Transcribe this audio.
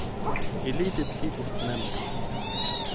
Ili decidis mem.